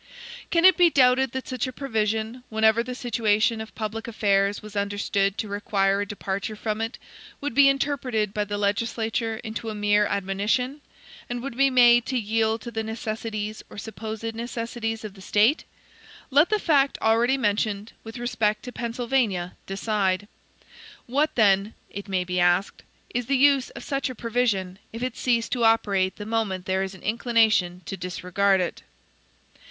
Can it be doubted that such a provision, whenever the situation of public affairs was understood to require a departure from it, would be interpreted by the legislature into a mere admonition, and would be made to yield to the necessities or supposed necessities of the State? Let the fact already mentioned, with respect to Pennsylvania, decide. What then (it may be asked) is the use of such a provision, if it cease to operate the moment there is an inclination to disregard it?